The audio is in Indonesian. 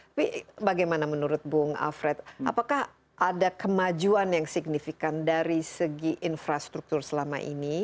tapi bagaimana menurut bung alfred apakah ada kemajuan yang signifikan dari segi infrastruktur selama ini